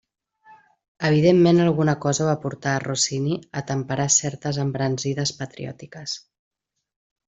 Evidentment alguna cosa va portar a Rossini a temperar certes embranzides patriòtiques.